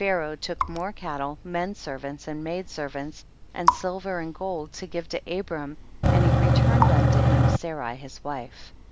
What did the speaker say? raoh took more cattle, men servants and maid servants, and silver and gold, to give to Abram, and he re turned unto him Sarai his wife.